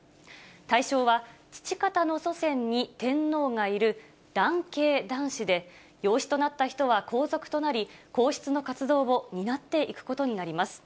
対象は父方の祖先に天皇がいる、男系男子で、養子となった人は皇族となり、皇室の活動を担っていくことになります。